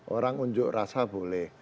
orang unjuk rasa boleh